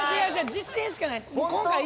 自信しかないです。